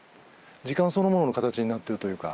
時間そのものの形になってるというか。